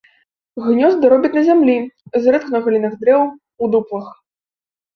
Гнёзды робяць на зямлі, зрэдку на галінах дрэў, у дуплах.